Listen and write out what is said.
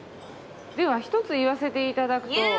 では一つ言わせていただくと。